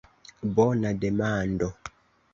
Bona demando!